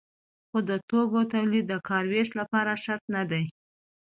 خو د توکو تولید د کار ویش لپاره شرط نه دی.